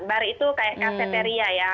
bar itu seperti cafeteria ya